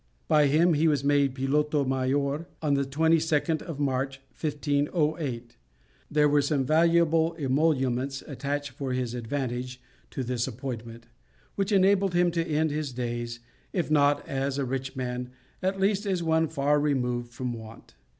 By him he was made Piloto Mayor on the 22nd of March, 1508. There were some valuable emoluments attached for his advantage to this appointment, which enabled him to end his days, if not as a rich man, at least as one far removed from want.